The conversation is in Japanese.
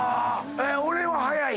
俺は早い。